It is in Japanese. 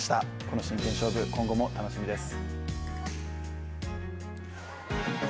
この真剣勝負、今後も楽しみです。